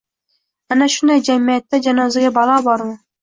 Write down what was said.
Ana shunday jamiyatda... janozaga balo bormi?